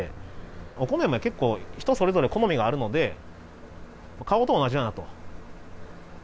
お米も結構人それぞれ好みがあるので顔と同じやなと。